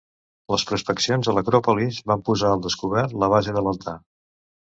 Les prospeccions a l'acròpolis van posar al descobert la base de l'altar.